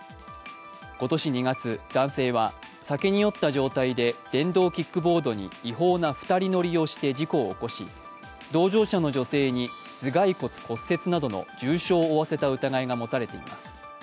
今年２月、男性は避けに酔った状態で電動キックボードに違法な２人乗りをして事故を起こし同乗者の女性に頭蓋骨骨折などの重傷を負わせた疑いが持たれています。